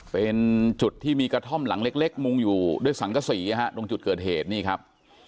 เป็นจุดที่มีกระท่อมหลังเล็กมุงอยู่ด้วยสังกษีนะฮะตรงจุดเกิดเหตุนี่ครับ